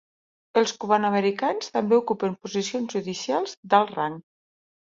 Els cubano-americans també ocupen posicions judicials d'alt rang.